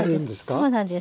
そうなんです。